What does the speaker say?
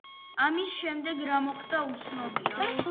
ამის შემდეგ რა მოხდა უცნობია.